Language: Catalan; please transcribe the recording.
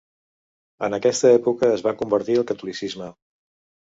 En aquesta època es va convertir al catolicisme.